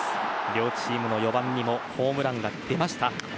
両チームの４番にもホームランが出ました。